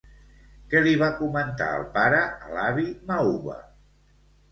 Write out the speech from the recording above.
Què li va comentar el pare a l'avi Mauva?